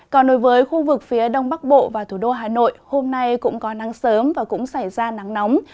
còn đối với khu vực phía đông bắc bộ và thủ đô hà nội hôm nay cũng có nắng sớm và cũng xảy ra nắng nóng